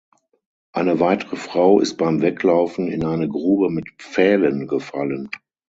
Eine weitere Frau ist beim Weglaufen in eine Grube mit Pfählen gefallen.